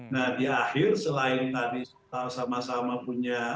nah di akhir selain tadi kita sama sama punya